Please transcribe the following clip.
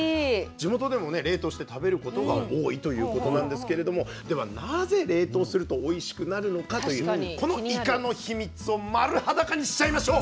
地元でもね冷凍して食べることが多いということなんですけれどもではなぜ冷凍するとおいしくなるのかというこのイカの秘密を丸裸にしちゃいましょう！